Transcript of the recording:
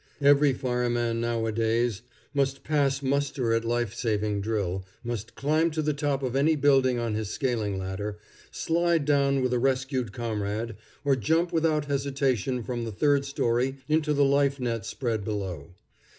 Every fireman nowadays must pass muster at life saving drill, must climb to the top of any building on his scaling ladder, slide down with a rescued comrade, or jump without hesitation from the third story into the life net spread below.